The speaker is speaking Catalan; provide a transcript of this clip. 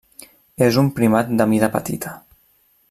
És un primat de mida petita.